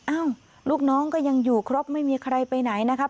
ลูกน้องก็ยังอยู่ครบไม่มีใครไปไหนนะครับ